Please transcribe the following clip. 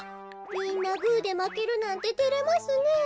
みんなグーでまけるなんててれますねえ。